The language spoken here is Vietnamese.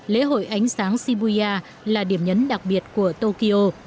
lễ hội ánh sáng shibuya là điểm nhấn đặc biệt của tokyo